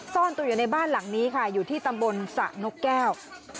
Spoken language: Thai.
ซ่อนตัวอยู่ในบ้านหลังนี้ค่ะอยู่ที่ตำบลสะนกแก้ว